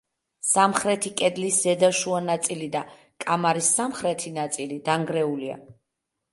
სამხრეთი კედლის ზედა შუა ნაწილი და კამარის სამხრეთი ნაწილი დანგრეულია.